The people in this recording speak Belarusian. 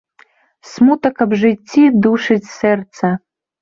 Смутак аб жыцці душыць сэрца.